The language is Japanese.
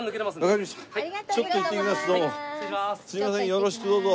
よろしくどうぞ。